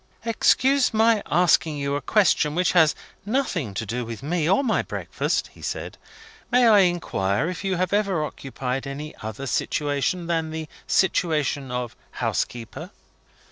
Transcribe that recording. "Excuse my asking you a question which has nothing to do with me or my breakfast," he said. "May I inquire if you have ever occupied any other situation than the situation of housekeeper?"